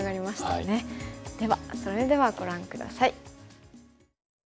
それではご覧下さい。